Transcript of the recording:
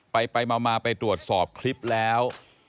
ไปมาไปตรวจสอบคลิปแล้ว